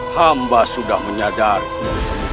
hamba sudah menyadari